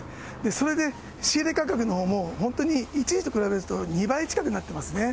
それで、仕入れ価格のほうも、本当に一時と比べると２倍近くになっていますね。